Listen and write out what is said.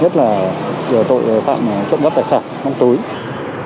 nhất là tội phạm trộm gấp tài sản mong túi